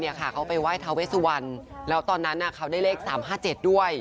เนี่ยค่าเขาไปไหว้ทเวสวานแล้วตอนนั้นน่ะเขาได้เลข๓๕๗ด้วย